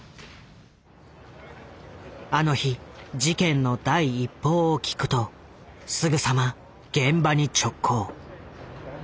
あの日事件の第一報を聞くとすぐさま現場に直行。